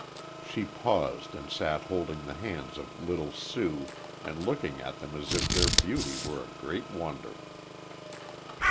She paused and sat holding the hands of little Sue and looking at them as if their beauty were a great wonder.